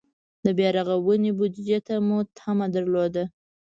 د بیا رغونې بودجې ته مو تمه درلوده.